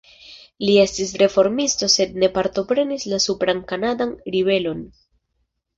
Li estis reformisto sed ne partoprenis la supran kanadan ribelon.